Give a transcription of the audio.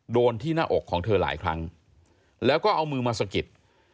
โดนที่หน้าอกของเธอหลายครั้งแล้วก็เอามือมาสะกิด